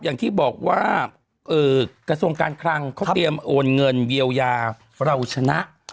อย่างที่บอกว่ากระทรวงการคลังเขาเตรียมโอนเงินเยียวยาเราชนะ